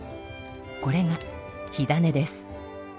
これが火種です。